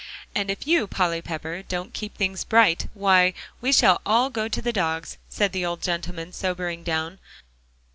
"And if you, Polly Pepper, don't keep things bright, why, we shall all go to the dogs," said the old gentleman, sobering down.